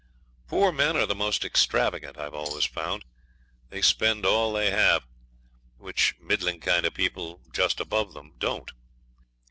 Poor men are the most extravagant, I've always found. They spend all they have, which middling kind of people just above them don't.